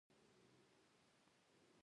غوږونه له نفرت سره مخالفت کوي